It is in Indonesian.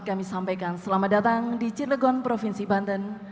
kami sampaikan selamat datang di cilegon provinsi banten